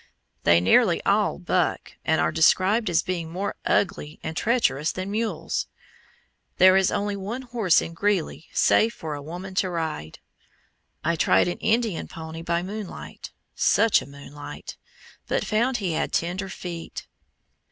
They nearly all "buck," and are described as being more "ugly" and treacherous than mules. There is only one horse in Greeley "safe for a woman to ride." I tried an Indian pony by moonlight such a moonlight but found he had tender feet.